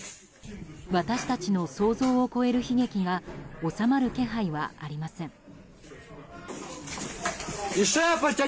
私たちの想像を超える悲劇が収まる気配はありません。